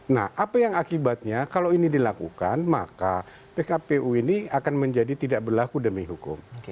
nah apa yang akibatnya kalau ini dilakukan maka pkpu ini akan menjadi tidak berlaku demi hukum